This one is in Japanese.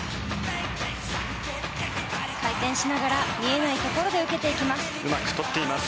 回転しながら見えないところで受けていきます。